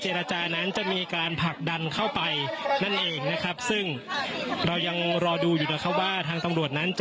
รจานั้นจะมีการผลักดันเข้าไปนั่นเองนะครับซึ่งเรายังรอดูอยู่นะครับว่าทางตำรวจนั้นจะ